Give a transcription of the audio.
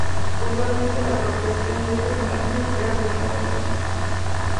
Usualmente la apropiación de estas imágenes era de manera irónica.